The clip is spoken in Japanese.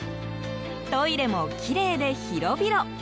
トイレもきれいで広々。